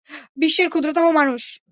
বিশ্বের ক্ষুদ্রতম মানুষ।